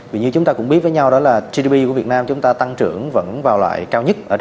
vì như chúng ta cũng biết với nhau đó là gdp của việt nam chúng ta tăng trưởng vẫn vào lại cao nhất